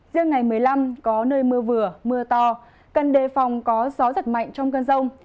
riêng ngày một mươi năm có nơi mưa vừa mưa to cần đề phòng có gió giật mạnh trong cơn rông